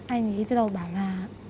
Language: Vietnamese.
anh ấy từ đầu bảo là